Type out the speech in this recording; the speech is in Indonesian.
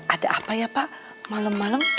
ada apa ya pak malem malem